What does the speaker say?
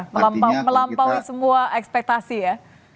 melampaui semua ekspektasi ya